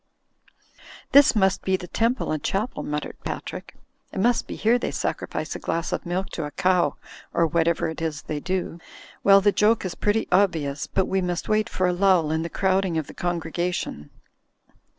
"This must be the temple and chapel," muttered Patrick, "it must be here they sacrifice a glass of milk to a cow, or whatever it is they do. Well, the joke is pretty obvious, but we must wait for a lull in the crowding of the congregation."